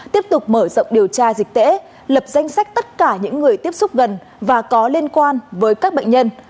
tiếp tục mở rộng điều tra dịch tễ lập danh sách tất cả những người tiếp xúc gần và có liên quan với các bệnh nhân